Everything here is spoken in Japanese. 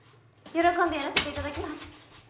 喜んでやらせていただきます！